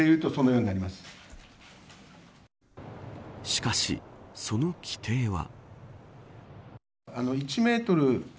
しかし、その規程は。